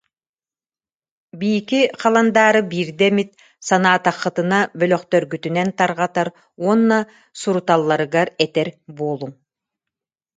Биики халандаары биирдэ эмит, санаатаххытына, бөлөхтөргүтүнэн тарҕатар, уонна суруталларыгар этэр буолуҥ